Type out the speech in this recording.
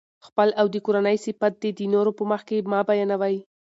خپل او د کورنۍ صفت دي د نورو په مخکي مه بیانوئ!